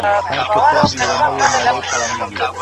کلشیم، اوسپنه او بي ویټامین په دې برخه کې مهم دي.